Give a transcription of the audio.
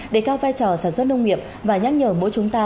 để cao vai trò sản xuất nông nghiệp và nhắc nhở mỗi chúng ta